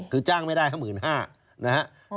คือจ้างไม่ได้๑๕๐๐นะฮะ